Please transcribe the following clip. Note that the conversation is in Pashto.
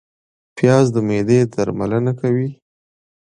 پیاز د معدې درملنه کوي